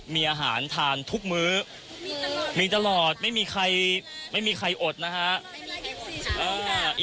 มีอาหารทานทุกมื้อมีตลอดมีตลอดไม่มีใครไม่มีใครอดนะฮะไม่มีใครอด